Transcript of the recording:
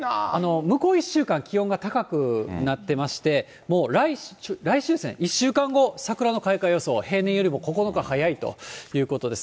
向こう１週間、気温が高くなってまして、もう来週ですね、１週間後、桜の開花予想、平年よりも９日早いということです。